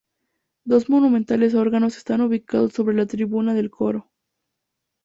Dos monumentales órganos están ubicados sobre la tribuna del coro.